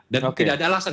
dan tidak ada alasan